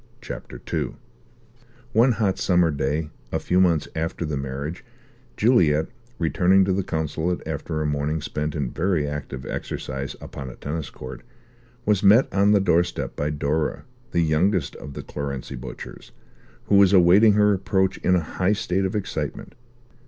CHAPTER II One hot summer day, a few months after the marriage, Juliet, returning to the consulate after a morning spent in very active exercise upon a tennis court, was met on the doorstep by Dora, the youngest of the Clarency Butchers, who was awaiting her approach in a high state of excitement.